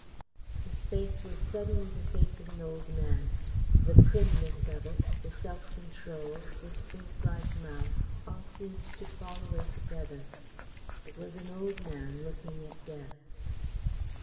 His face was suddenly the face of an old man. The primness of it, the self control, the sphinx like mouth, all seemed to fall away together. It was an old man looking at death.